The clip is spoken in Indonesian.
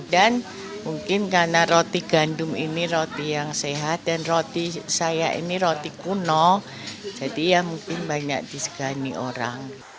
dan mungkin karena roti gandum ini roti yang sehat dan roti saya ini roti kuno jadi ya mungkin banyak disegani orang